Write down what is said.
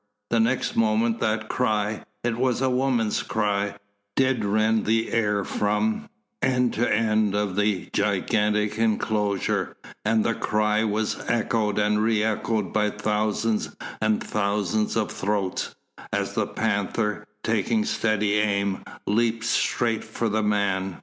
The next moment that cry it was a woman's cry did rend the air from, end to end of the gigantic enclosure, and the cry was echoed and re echoed by thousands and thousands of throats, as the panther, taking steady aim, leaped straight for the man.